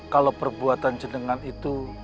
kalau perbuatan jenengan itu